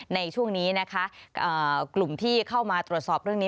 ในช่วงนี้นะคะกลุ่มที่เข้ามาตรวจสอบเรื่องนี้